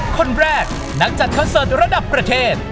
คนแรกนักจัดคอนเสิร์ตระดับประเทศ